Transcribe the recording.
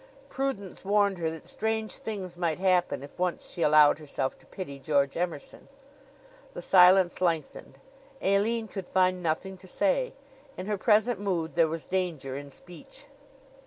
Prudence warned her that strange things might happen if once she allowed herself to pity George Emerson. The silence lengthened. Aline could find nothing to say. In her present mood there was danger in speech.